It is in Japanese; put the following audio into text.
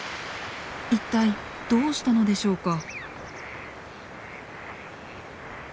一体どうしたのでしょうか？